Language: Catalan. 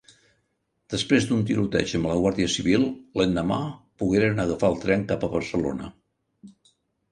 Després d'un tiroteig amb la Guàrdia Civil, l'endemà pogueren agafar el tren cap a Barcelona.